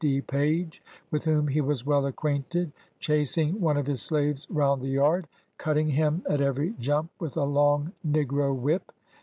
D. Page, with whom he was well acquainted, chasing one of his slaves round the yard, cutting him at every jump with a long negro whip.